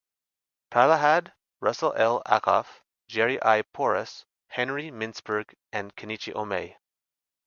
Prahalad, Russell L. Ackoff, Jerry I. Porras, Henry Mintzberg and Kenichi Ohmae.